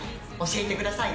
でいてください。